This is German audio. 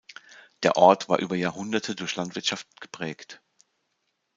Der Ort war über Jahrhunderte durch Landwirtschaft geprägt.